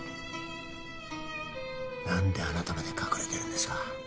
何であなたまで隠れてるんですか？